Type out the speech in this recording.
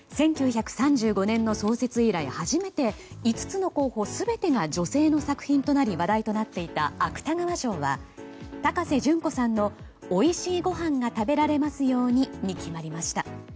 １９３５年の創設以来初めて５つの候補全てが女性の作品となり話題となっていた芥川賞は高瀬隼子さんの「おいしいごはんが食べられますように」に決まりました。